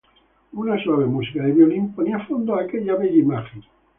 Una suave música de violín ponía fondo a aquella bella imagen.